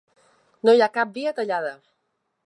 No hi ha cap via tallada.